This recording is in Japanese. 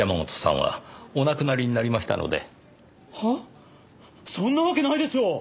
そんなわけないでしょう！